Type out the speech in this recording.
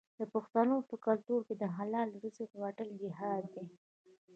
د پښتنو په کلتور کې د حلال رزق ګټل جهاد دی.